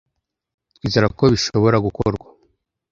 Twizera ko bishobora gukorwa.